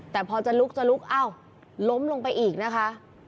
แต่พอจะลุกจะลุกอ้าวล้มลงไปอีกนะคะ